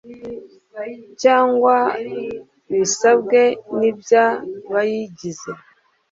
cyangwa bisabwe ni by abayigize